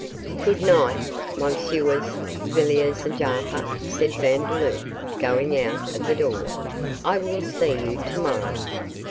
'Good night, Messrs Villiers and Jarper,' said Vandeloup, going out of the door, 'I will see you to morrow.